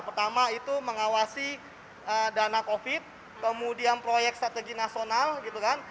pertama itu mengawasi dana covid kemudian proyek strategi nasional gitu kan